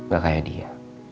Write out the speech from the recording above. gak kayak dia